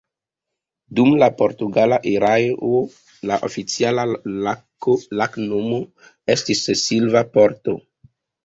Dum la portugala erao la oficiala loknomo estis Silva Porto.